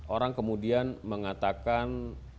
orang kemudian mengatakan